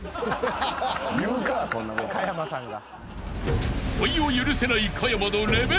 加山さんが。